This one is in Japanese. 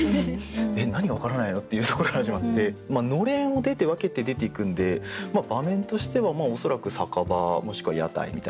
「えっ何がわからないの？」っていうところから始まってのれんを出て分けて出ていくんで場面としてはおそらく酒場もしくは屋台みたいな。